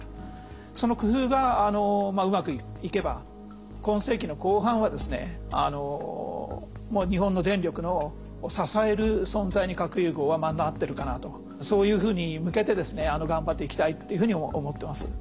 その工夫がうまくいけば今世紀の後半はですねもう日本の電力の支える存在に核融合はなってるかなとそういうふうに向けてですね頑張っていきたいというふうに思ってます。